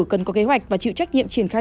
cần có kế hoạch và chịu trách nhiệm triển khai